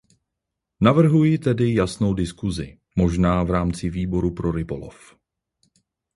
Navrhuji tedy jasnou diskusi, možná v rámci Výboru pro rybolov.